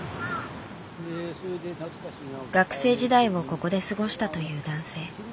学生時代をここで過ごしたという男性。